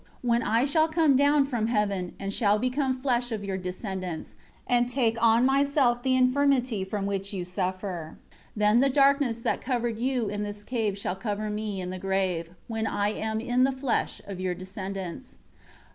When I shall come down from heaven, and shall become flesh of your descendants, and take on Myself the infirmity from which you suffer, then the darkness that covered you in this cave shall cover Me in the grave, when I am in the flesh of your descendants.